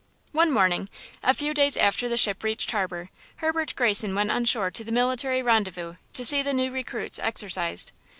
One morning, a few days after the ship reached harbor, Herbert Greyson went on shore to the military rendezvous to see the new recruits exercised.